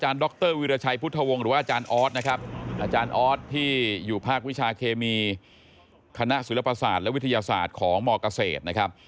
เราไปถามค